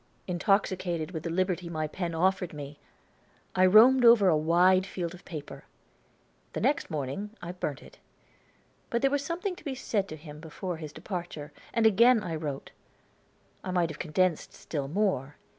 Intoxicated with the liberty my pen offered me, I roamed over a wide field of paper. The next morning I burnt it. But there was something to be said to him before his departure, and again I wrote. I might have condensed still more.